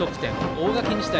大垣日大